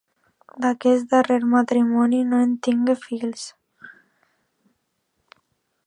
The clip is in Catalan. D'aquest darrer matrimoni no en tingué fills.